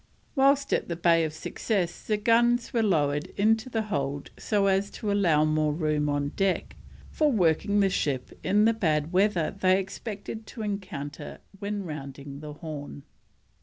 Whilst at the Bay of Success the guns were lowered into the hold so as to allow more room on deck for working the ship in the bad weather they expected to encounter when rounding the Horn.